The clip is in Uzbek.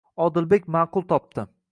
Odilbek ma'qul topdi.